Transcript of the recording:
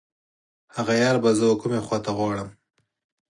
هغه یار به زه و کومې خواته غواړم.